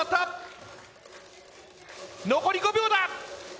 残り５秒だ。